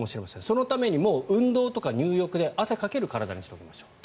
そのためにもう運動とか入浴で汗をかける体にしておきましょう。